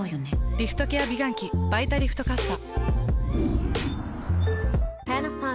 リフトケア美顔器「バイタリフトかっさ」。